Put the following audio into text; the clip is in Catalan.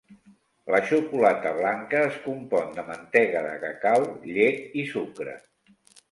La xocolata blanca es compon de mantega de cacau, llet i sucre.